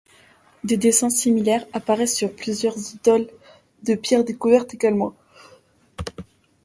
Des dessins similaires apparaissent sur plusieurs idoles de pierre découvertes également.